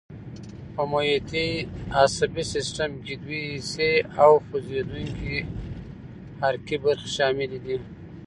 په محیطي عصبي سیستم کې دوې حسي او خوځېدونکي حرکي برخې شاملې دي.